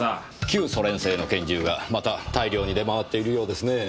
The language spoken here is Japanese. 旧ソ連製の拳銃がまた大量に出回っているようですねぇ。